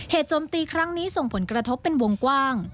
โจมตีครั้งนี้ส่งผลกระทบเป็นวงกว้าง